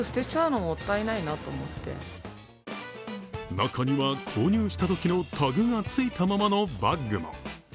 中には購入したときのタグがついたままのバッグも。